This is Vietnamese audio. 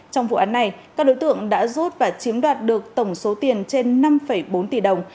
trong vụ án này các đối tượng đã rút và chiếm đoạt được tổng số tiền trên năm bốn tỷ đồng